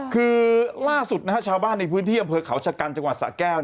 คือล่าสุดชาวบ้านในพื้นที่อำเภอเขาชะกันจังหวัดสะแก้ว